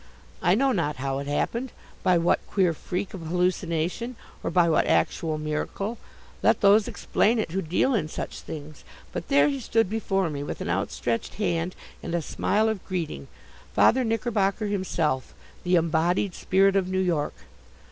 I know not how it happened, by what queer freak of hallucination or by what actual miracle let those explain it who deal in such things but there he stood before me, with an outstretched hand and a smile of greeting, Father Knickerbocker himself, the Embodied Spirit of New York.